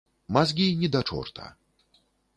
Мазгі ні да чорта!